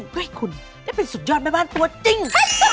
เพื่อให้คุณได้เป็นสุดยอดแม่บ้านตัวจริง